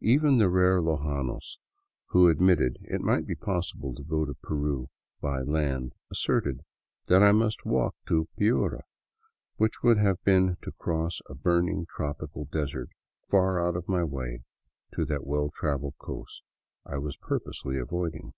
Even the rare lojanos who admitted it might be possible to go to Peru " by land " asserted that I must walk to Piura, which would have been to cross a burning tropical desert far out of my way, to that well traveled coast I was purposely avoiding.